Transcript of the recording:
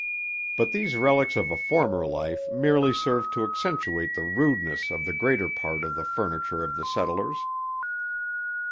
But these relics of a former life merely served to accentuate the rudeness of the greater part of the furniture of the settlers.